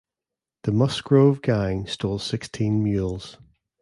The Musgrove Gang stole sixteen mules.